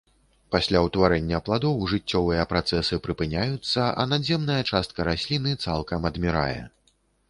Пасля ўтварэння пладоў жыццёвыя працэсы прыпыняюцца, а надземная частка расліны цалкам адмірае.